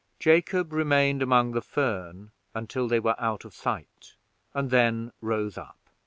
Jacob remained among the fern until they were out of sight, and then rose up.